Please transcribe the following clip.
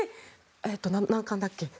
えっと、何冠だっけ？